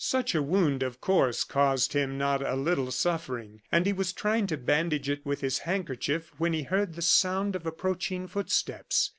Such a wound, of course, caused him not a little suffering, and he was trying to bandage it with his handkerchief, when he heard the sound of approaching footsteps.